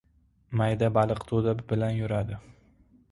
Mayda baliq toʻda bilan yuradi.